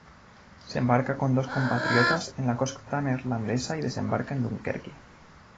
Se embarca con dos compatriotas, en la costa neerlandesa, y desembarca en Dunkerque.